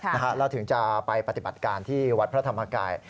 นะคะและถึงจะไปปฏิบัติการที่วัดพระธรรมไกร